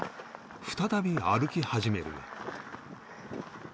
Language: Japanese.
再び歩き始めるが